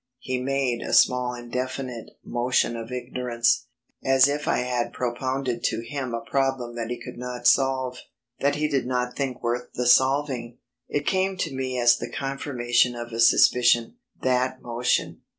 He made a small indefinite motion of ignorance, as if I had propounded to him a problem that he could not solve, that he did not think worth the solving. It came to me as the confirmation of a suspicion that motion.